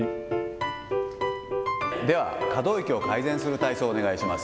では、可動域を改善する体操をお願いします。